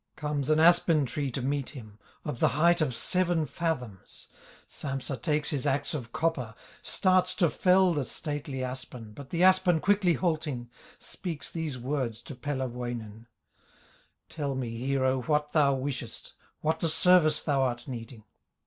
Comes an aspen tree to meet him Of the height of seven fathoms. Sampsa takes his axe of copper, Starts to fell the stately aspen, But the aspen quickly halting, Speaks these words to Pellerwoinen: "Tell me, hero, what thou wishest, What the service thou art needing?"